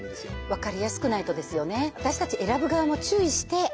わかりやすくないとですよね。